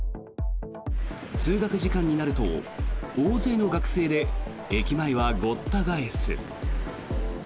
通学時間になると大勢の学生で駅前はごった返す。